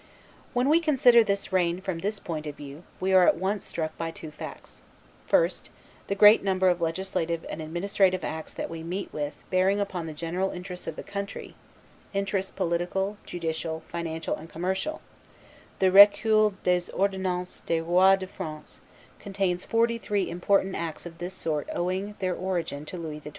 When we consider this reign from this new point of view, we are at once struck by two facts: 1st, the great number of legislative and administrative acts that we meet with bearing upon the general interests of the country, interests political, judicial, financial, and commercial; the Recueil des Ordonnances des Rois de France contains forty three important acts of this sort owing their origin to Louis XII.